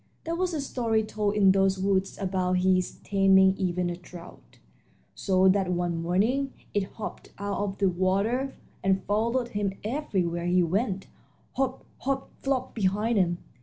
There was a story told in those woods about his taming even a trout so that one morning it hopped out of the water and followed him everywhere he went hop, hop, flop behind him.